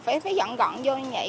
phải dọn gọn vô như vậy